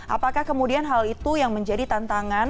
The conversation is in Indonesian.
apakah kemudian hal itu yang menjadi hal yang diperlukan